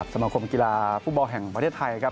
สมคมกีฬาฟุตบอลแห่งประเทศไทยครับ